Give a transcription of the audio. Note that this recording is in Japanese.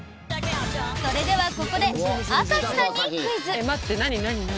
それではここで朝日さんにクイズ！